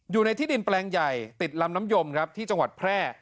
อยู่ในที่ดินแปลงใหญ่ติดลำน้ำยมครับที่จังหวัดแพร่